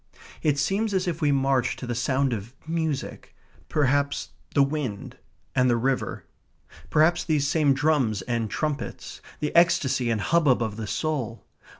It seems as if we marched to the sound of music; perhaps the wind and the river; perhaps these same drums and trumpets the ecstasy and hubbub of the soul.